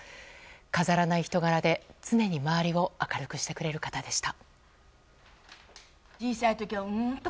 飾らない人柄で常に周りを明るくしてくれる方でした。